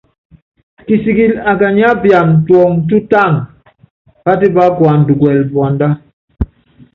Kisikilɛ akanyiɛ́ apiana tuɔŋɔ tútánu, pátípá kuanda kuɛlɛ puandá.